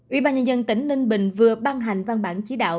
ủy ban nhân dân tỉnh ninh bình vừa ban hành văn bản chỉ đạo